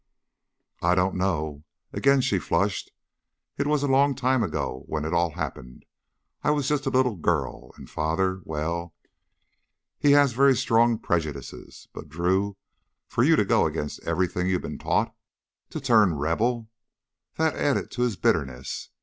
"I don't know." Again she flushed. "It was a long time ago when it all happened. I was just a little girl. And Father, well, he has very strong prejudices. But, Drew, for you to go against everything you'd been taught, to turn Rebel that added to his bitterness.